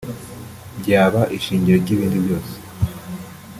byaba ishingiro ry’ibindi byose